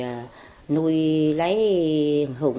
rồi nuôi lấy hùng